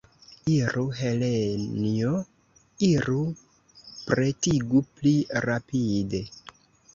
Iru, Helenjo, iru, pretigu pli rapide.